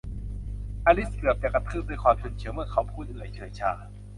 อลิซเกือบจะกระทืบด้วยความฉุนเฉียวเมื่อเขาพูดเอื่อยเฉื่อยชา